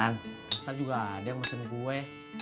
kita juga ada yang pesen kue